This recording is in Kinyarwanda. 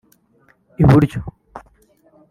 i buryo